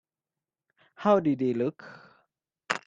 How did he look?